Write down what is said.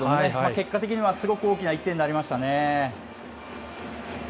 結果的には、すごく大きな１点になりましたね。